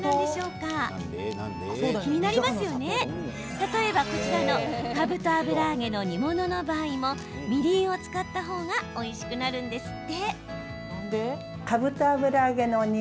例えば、こちらのかぶと油揚げの煮物の場合もみりんを使った方がおいしくなるんですって。